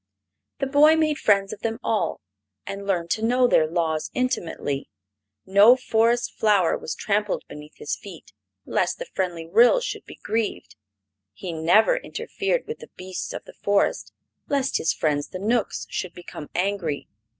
The boy made friends of them all, and learned to know their laws intimately. No forest flower was trampled beneath his feet, lest the friendly Ryls should be grieved. He never interfered with the beasts of the forest, lest his friends the Knooks should become angry.